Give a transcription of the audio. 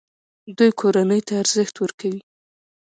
دوی کورنۍ ته ارزښت ورکوي.